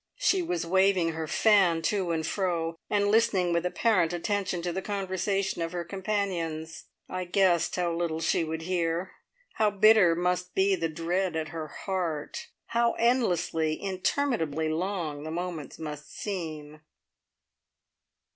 She was waving her fan to and fro, and listening with apparent attention to the conversation of her companions. I guessed how little she would hear; how bitter must be the dread at her heart; how endlessly, interminably long the moments must seem.